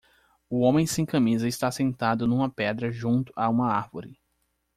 O homem sem camisa está sentado numa pedra junto a uma árvore.